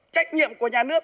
trách nhiệm của nhà nước